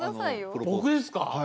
僕ですか？